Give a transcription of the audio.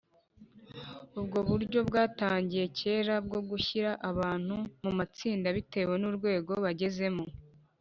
ubwo buryo bwatangiye kera bwo gushyira abantu mu matsinda bitewe n’urwego bagazemo